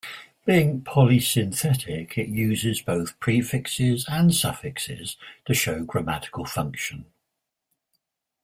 Being polysynthetic, it uses both prefixes and suffixes to show grammatical function.